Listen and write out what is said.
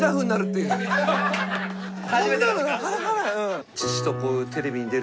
こんなのなかなかない。